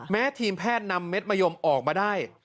ทีมแพทย์นำเม็ดมะยมออกมาได้